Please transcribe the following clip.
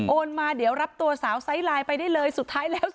มาเดี๋ยวรับตัวสาวไซส์ไลน์ไปได้เลยสุดท้ายแล้ว